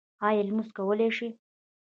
ایا لمونځ کولی شئ؟